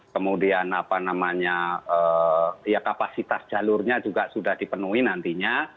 kemudian apa namanya ya kapasitas jalurnya juga sudah dipenuhi nantinya